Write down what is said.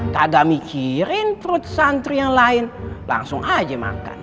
tadamikirin perut santri yang lain langsung aja makan